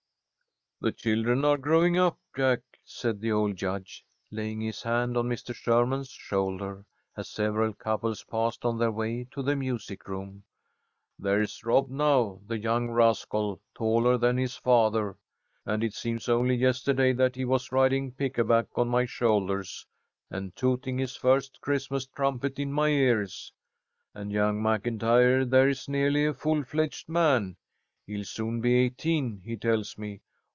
"The children are growing up, Jack," said the old Judge, laying his hand on Mr. Sherman's shoulder, as several couples passed on their way to the music room. "There's Rob, now, the young rascal, taller than his father; and it seems only yesterday that he was riding pickaback on my shoulders, and tooting his first Christmas trumpet in my ears. And young MacIntyre there is nearly a full fledged man. He'll soon be eighteen, he tells me.